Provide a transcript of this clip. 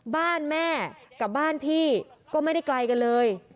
บ้านแม่กับบ้านพี่ก็ไม่ได้ไกลกันเลย